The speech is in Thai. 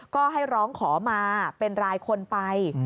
ก็ให้ร้องขอมาเป็นรายคนไป